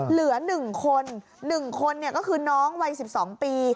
เหลือ๑คน๑คนก็คือน้องวัย๑๒ปี